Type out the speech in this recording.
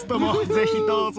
ぜひどうぞ。